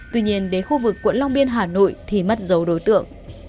tuy nhiên đến khu vực quận long biên hà nội thì mất dấu đối tượng